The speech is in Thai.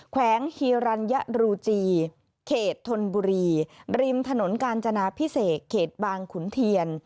แขวงฮีรัญญรูจีเขตธนบุรีริมถนนกาญจนาพิเศษเขตบางขุนเทียน